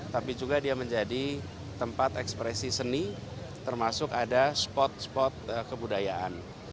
tapi juga dia menjadi tempat ekspresi seni termasuk ada spot spot kebudayaan